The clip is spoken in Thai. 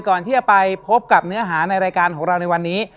ก่อนที่จะไปพบกับเนื้อหาในรายการของเราในวันนี้